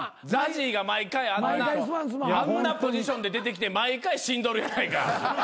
ＺＡＺＹが毎回あんなポジションで出てきて毎回死んどるやないか。